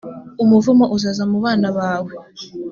umuvumo uzaza mu bana bawe,